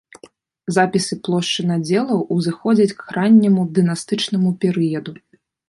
Запісы плошчы надзелаў узыходзяць к ранняму дынастычнаму перыяду.